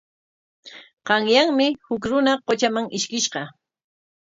Qanyanmi huk runa qutraman ishkishqa.